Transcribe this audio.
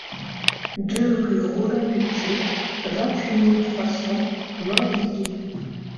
deux rue Roland Buthier, vingt-huit mille trois cents Mainvilliers